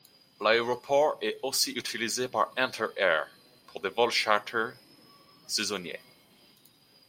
L'aéroport est aussi utilisé par Enter Air pour des vols charter saisonniers.